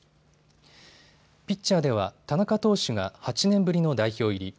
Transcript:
ピッチャーでは田中投手が８年ぶりの代表入り。